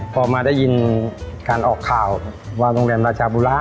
พอมาได้ยินการออกข่าวว่าโรงแรมราชาบุระ